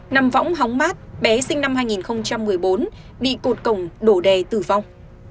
nằm võng hóng mát bé sinh năm hai nghìn một mươi bốn bị cột cổng đổ đè tử vong